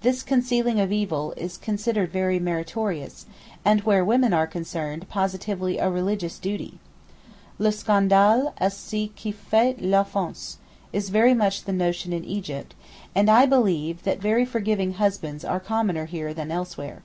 This 'concealing of evil' is considered very meritorious, and where women are concerned positively a religious duty. Le scandale est ce qui fait l'offense is very much the notion in Egypt, and I believe that very forgiving husbands are commoner here than elsewhere.